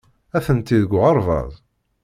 Atenti deg uɣerbaz.